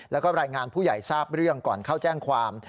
แล้วก็รายงานผู้ใหญ่ทราบเรื่องก่อนเข้าแจ้งความ